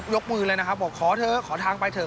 ยกมือเลยนะครับบอกขอเถอะขอทางไปเถ